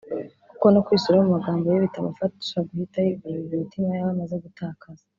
kuko no kwisubiraho mu magambo ye bitamufasha guhita yigarurira imitima y’abo amaze gutakaza